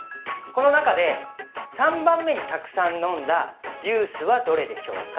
この中で３番目にたくさん飲んだジュースはどれでしょうか？